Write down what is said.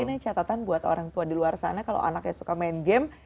ini catatan buat orang tua di luar sana kalau anaknya suka main game